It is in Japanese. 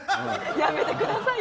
やめてください！